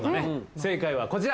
正解はこちら。